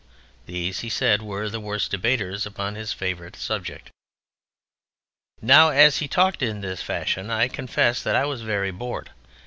These, he said, were the worst debaters upon his favourite subject. Now as he talked in this fashion I confess that I was very bored.